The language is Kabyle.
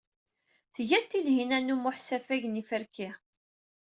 Tga-d Tinhinan u Muḥ safag n yiferki.